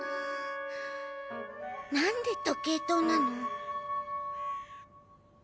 なんで時計塔なの？